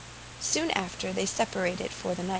Soon after, they separated for the night.